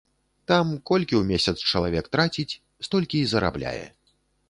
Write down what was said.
Там колькі ў месяц чалавек траціць, столькі і зарабляе.